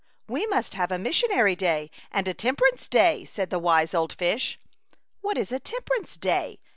'' We must have a Missionary Day and a Temperance Day," said the wise old fish. What is a Temperance Day?"